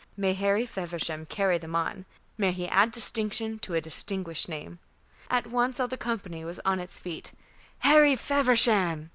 May Harry Feversham carry them on! May he add distinction to a distinguished name!" At once all that company was on its feet. "Harry Feversham!"